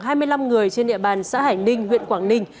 hai mươi năm người trên địa bàn xã hải ninh huyện quảng ninh